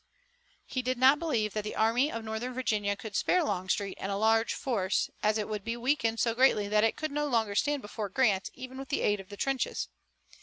He did not believe that the Army of Northern Virginia could spare Longstreet and a large force, as it would be weakened so greatly that it could no longer stand before Grant, even with the aid of the trenches.